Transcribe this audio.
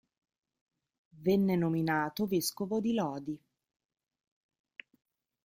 Venne nominato vescovo di Lodi.